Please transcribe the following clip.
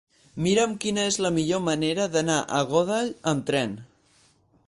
Mira'm quina és la millor manera d'anar a Godall amb tren.